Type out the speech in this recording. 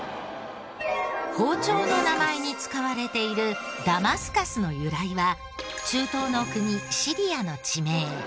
包丁の名前に使われているダマスカスの由来は中東の国シリアの地名。